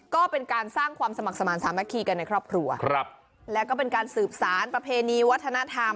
ก็เป็นการสร้างความสมัครสมาธิสามัคคีกันในครอบครัวครับแล้วก็เป็นการสืบสารประเพณีวัฒนธรรม